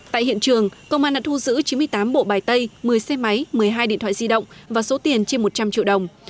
tại hiện trường công an đã thu giữ chín mươi tám bộ bài tay một mươi xe máy một mươi hai điện thoại di động và số tiền trên một trăm linh triệu đồng